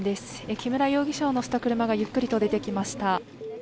木村容疑者を乗せた車がゆっくりと出てきました。